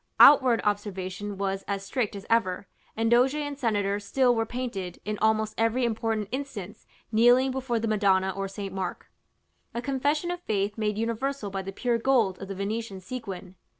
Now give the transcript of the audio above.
Outward observance was as strict as ever; and doge and senator still were painted, in almost every important instance, kneeling before the Madonna or St. Mark; a confession of faith made universal by the pure gold of the Venetian sequin.